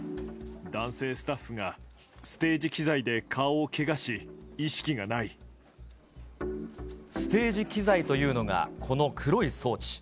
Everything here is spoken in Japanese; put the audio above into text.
男性スタッフがステージ機材ステージ機材というのが、この黒い装置。